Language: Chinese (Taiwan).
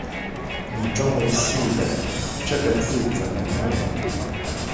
你中文系的，這個字怎麼念？